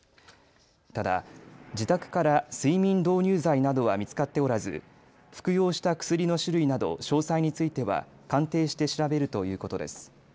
ただ自宅から睡眠導入剤などは見つかっておらず服用した薬の種類など詳細については鑑定して調べるということです。